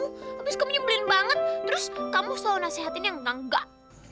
habis kamu nyebelin banget terus kamu selalu nasehatin yang enggak